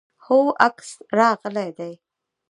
هو، عکس راغلی دی